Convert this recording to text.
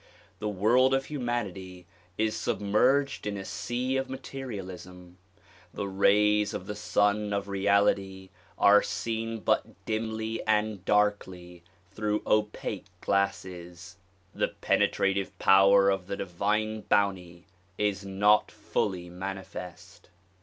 The world of humanity is submerged in a sea of ma terialism. The rays of the Sun of Reality are seen but dimly and darkly through opaque glasses. The penetrative power of the divine bounty is not fully manifest.